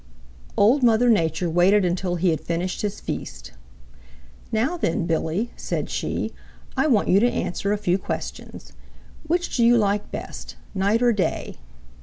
Old Mother Nature waited until he had finished his feast. "Now then, Billy," said she, "I want you to answer a few questions. Which do you like best, night or day?"